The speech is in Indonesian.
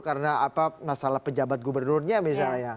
karena masalah pejabat gubernurnya misalnya